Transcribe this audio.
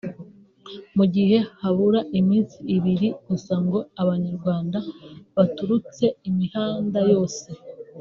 Mugihe habura iminsi ibiri gusa ngo abanyarwanda baturutse imihanda yose